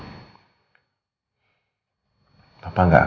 tidak akan mencintai kamu